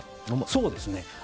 そうですね。